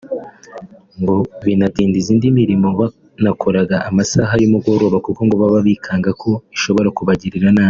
ngo binadindiza indi mirimo bakora amasaha y’umugoroba kuko ngo baba bikanga ko ishobora kubagirira nabi